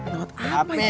lewat apa itu